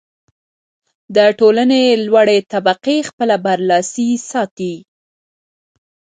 د ټولنې لوړې طبقې خپله برلاسي ساتي.